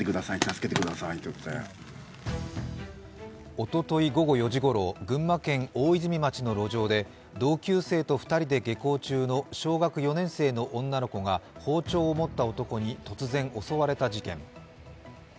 おととい午後４時ごろ群馬県大泉町の路上で同級生と２人で下校中の小学４年生の女の子が包丁を持った男に突然、襲われた事件。